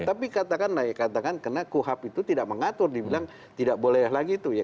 tapi katakanlah ya katakan karena kuhap itu tidak mengatur dibilang tidak boleh lagi itu ya